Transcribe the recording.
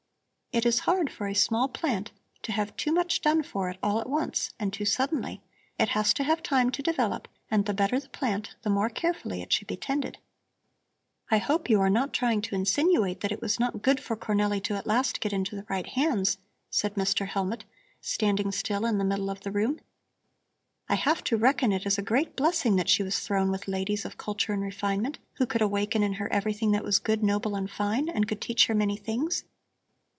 It is hard for a small plant to have too much done for it all at once and too suddenly; it has to have time to develop, and the better the plant the more carefully it should be tended." "I hope you are not trying to insinuate that it was not good for Cornelli to at last get into the right hands," said Mr. Hellmut, standing still in the middle of the room. "I have to reckon it as a great blessing that she was thrown with ladies of culture and refinement, who could awaken in her everything that was good, noble and fine, and could teach her many things.